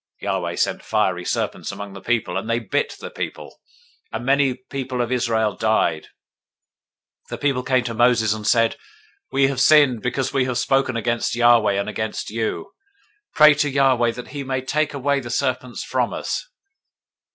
021:006 Yahweh sent fiery serpents among the people, and they bit the people; and much people of Israel died. 021:007 The people came to Moses, and said, We have sinned, because we have spoken against Yahweh, and against you; pray to Yahweh, that he take away the serpents from us.